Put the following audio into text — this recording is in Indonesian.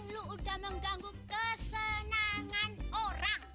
lu udah mengganggu kesenangan orang